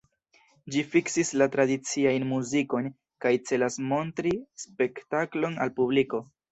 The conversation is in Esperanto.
Ĝi fiksis la tradiciajn muzikojn kaj celas montri spektaklon al publiko.